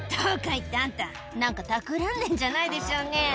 言ってあんた何か企んでんじゃないでしょうね」